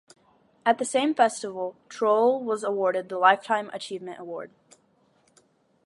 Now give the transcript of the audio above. At the same festival Troell was awarded the Lifetime Achievement Award.